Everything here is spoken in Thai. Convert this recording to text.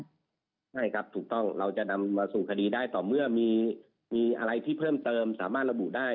ใช่ครับถูกต้องเราจะนำมาสู่คดีได้ต่อเมื่อมีอะไรที่เพิ่มเติมสามารถระบุได้